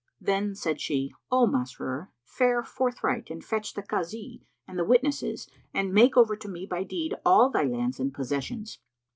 Then said she, "O Masrur, fare forthright and fetch the Kazi and the witnesses and make over to me by deed all thy lands and possessions."